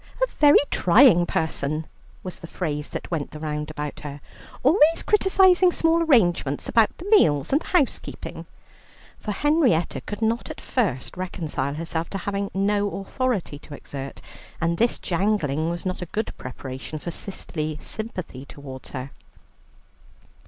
"A very trying person" was the phrase that went the round about her, "always criticizing small arrangements about the meals and the housekeeping," for Henrietta could not at first reconcile herself to having no authority to exert, and this jangling was not a good preparation for sisterly sympathy towards her.